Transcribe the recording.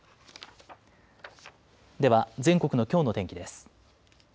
では全国のきょうの天気です。